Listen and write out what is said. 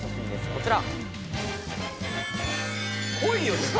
こちら。